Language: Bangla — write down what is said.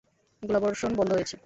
গোলাবর্ষণ বন্ধ হয়েছে।